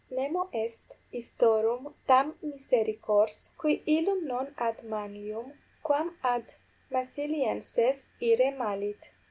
Nemo est istorum tam misericors, qui illum non ad Manlium quam ad Massilienses ire malit.